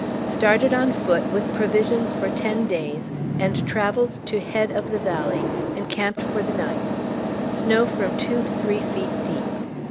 Started on foot, with provisions for ten days and travelled to head of the valley, and camped for the night; snow from two to three feet deep.